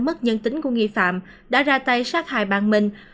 mất nhân tính của nghi phạm đã ra tay sát hại bàn mình